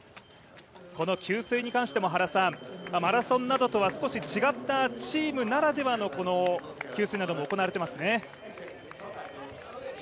この給水に関しても、マラソンなどとは少し違ったチームならではのこの給水なども行われていますね。